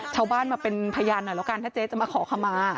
ชาวบ้านมาเป็นพยานหน่อยแล้วกันถ้าเจ๊จะมาขอขมา